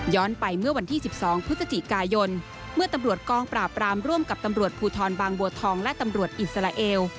ไปเมื่อวันที่๑๒พฤศจิกายนเมื่อตำรวจกองปราบรามร่วมกับตำรวจภูทรบางบัวทองและตำรวจอิสราเอล